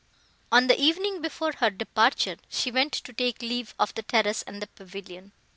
On the evening before her departure, she went to take leave of the terrace and the pavilion.